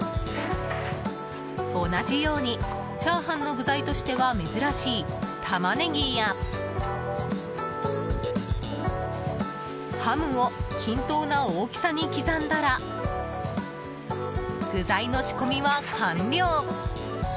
同じように、チャーハンの具材としては珍しいタマネギやハムを均等な大きさに刻んだら具材の仕込みは完了。